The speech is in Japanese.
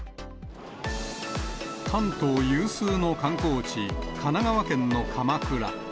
関東有数の観光地、神奈川県の鎌倉。